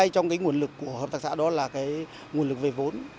trong cái nguồn lực của hợp tác xã đó là cái nguồn lực về vốn